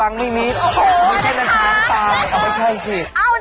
เอาเอาใช่ด้วย